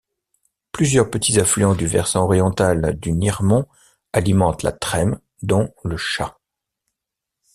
Plusieurs petits affluents du versant oriental du Niremont alimentent la Trême, dont le Châ.